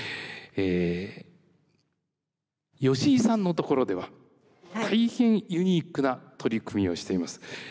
吉井さんのところでは大変ユニークな取り組みをしています。